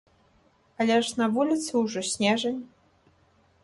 Але ж на вуліцы ўжо снежань.